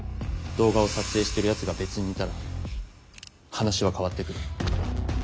動画を撮影してるやつが別にいたら話は変わってくる。